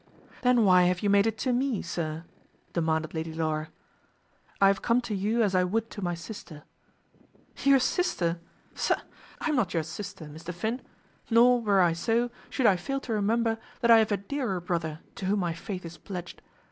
"Then why have you made it to me, sir?" demanded Lady Laura. "I have come to you as I would to my sister." "Your sister? Psha! I am not your sister, Mr. Finn. Nor, were I so, should I fail to remember that I have a dearer brother to whom my faith is pledged.